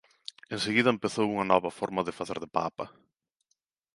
En seguida empezou unha nova forma de facer de Papa.